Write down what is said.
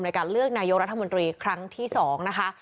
ในการเลือกนายกรัฐมนตรีครั้งที่๒นะคะ